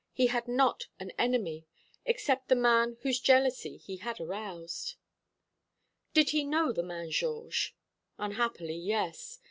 He had not an enemy, except the man whose jealousy he had aroused." "Did he know the man Georges?" "Unhappily, yes.